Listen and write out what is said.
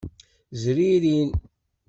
Zririn.